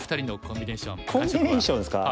コンビネーションですか。